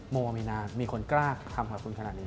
โมมีนานมีคนกล้าคำขอบคุณขนาดนี้ไหม